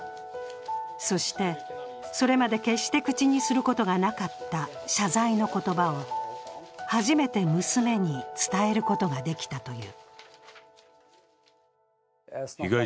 そして、それまで決して口にすることがなかった謝罪の言葉を初めて娘に伝えることができたという。